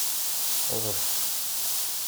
Ɣef.